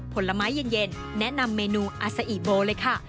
ผลไม้เย็นแนะนำเมนูอาซาอิโบเลยค่ะ